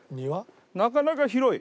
なかなか広い。